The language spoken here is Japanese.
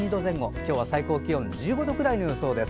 今日は最高気温１５度くらいの予想です。